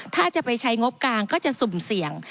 ถ้าจะไปใช้งบกลางก็จะสุ่มเสี่ยง